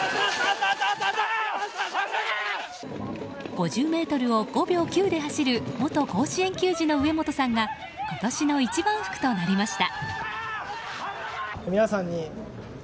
５０ｍを５秒９で走る元甲子園球児の植本さんが今年の一番福となりました。